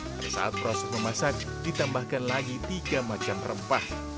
pada saat proses memasak ditambahkan lagi tiga macam rempah